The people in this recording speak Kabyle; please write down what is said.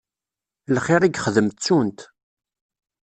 Lxir i yexdem ttun-t.